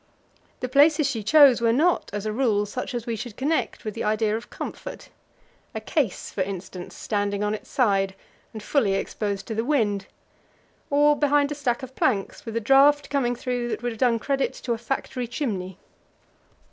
The places she chose were not, as a rule, such as we should connect with the idea of comfort; a case, for instance, standing on its side, and fully exposed to the wind, or behind a stack of planks, with a draught coming through that would have done credit to a factory chimney.